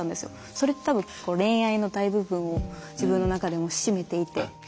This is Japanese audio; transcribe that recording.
それって多分恋愛の大部分を自分の中でも占めていて。